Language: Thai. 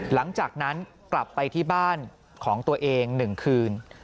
หลังจากนั้นกลับไปที่บ้านของตัวเอง๑คืน